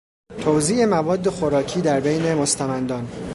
توزیع مواد خوراکی در بین مستمندان